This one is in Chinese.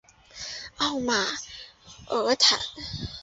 奥马尔坦。